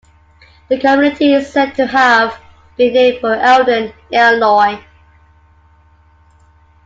The community is said to have been named for Eldon, Illinois.